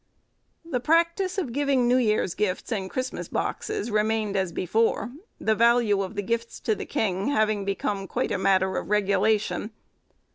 The practice of giving New Year's Gifts and Christmas Boxes remained as before; the value of the gifts to the king having become quite a matter of regulation.